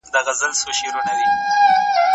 حویلۍ بې ونو نه وي.